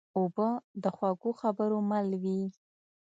اوبه د خوږو خبرو مل وي.